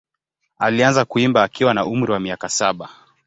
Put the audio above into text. Alianza kuimba akiwa na umri wa miaka saba.